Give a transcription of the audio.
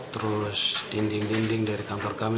terus dinding dinding dari kantor kami